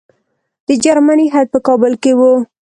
د جرمني هیات په کابل کې وو.